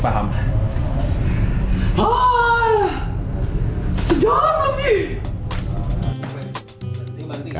satu tips yang dapat